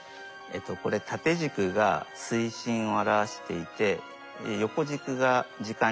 これ縦軸が水深を表していて横軸が時間経過です。